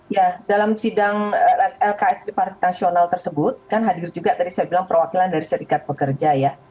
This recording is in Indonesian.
ya dalam sidang lks triparti nasional tersebut kan hadir juga tadi saya bilang perwakilan dari serikat pekerja ya